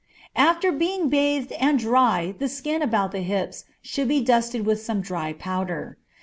After being bathed and dried the skin about the hips should be dusted with some dry powder.